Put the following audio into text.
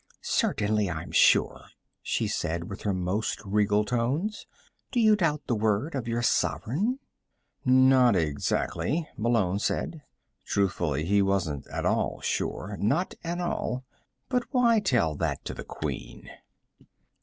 "Certainly I'm sure," she said, with her most regal tones. "Do you doubt the word of your sovereign?" "Not exactly," Malone said. Truthfully, he wasn't at all sure. Not at all. But why tell that to the Queen?